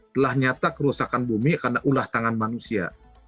telah nyata kerusakan bumi karena ulah tangan manusia